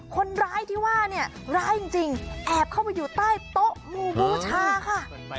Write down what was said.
คนร้ายที่ว่าเนี่ยร้ายจริงแอบเข้าไปอยู่ใต้โต๊ะหมู่บูชาค่ะ